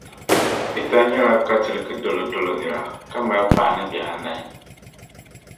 Peter nyɛla Katiliki dolo dolo nira ka mali paɣa ni bihi anahi..